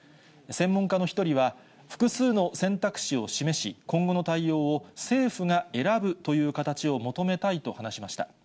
専門家の一人は、複数の選択肢を示し、今後の対応を政府が選ぶという形を求めたいと話しました。